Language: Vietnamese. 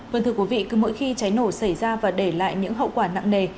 vâng thưa quý vị cứ mỗi khi cháy nổ xảy ra và để lại những hậu quả nặng nề